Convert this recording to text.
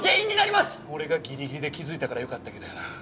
俺がギリギリで気づいたからよかったけどやな。